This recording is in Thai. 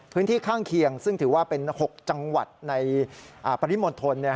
พื้นที่ข้างเคียงซึ่งถือว่าเป็น๖จังหวัดในปริมทน